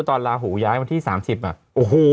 ลาหูย้ายวันที่๓๐อ่ะโอ้โห